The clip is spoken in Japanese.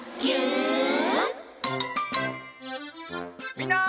みんな。